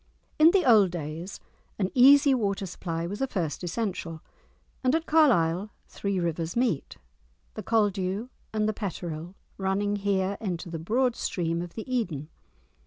In the old days an easy water supply was a first essential, and at Carlisle three rivers meet, the Caldew and the Petterill running here into the broad stream of the Eden.